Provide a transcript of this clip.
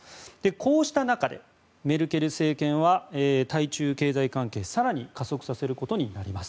こうした中で、メルケル政権は対中経済関係を更に加速させることになります。